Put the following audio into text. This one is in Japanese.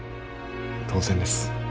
当然です。